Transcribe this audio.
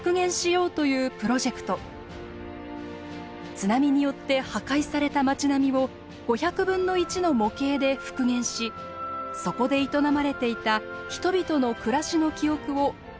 津波によって破壊された町並みを５００分の１の模型で復元しそこで営まれていた人々の暮らしの記憶を保存継承しようというものです。